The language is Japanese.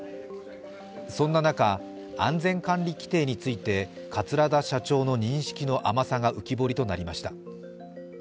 そんな中、安全管理規程について桂田社長の認識の甘さが浮き彫りとなりました。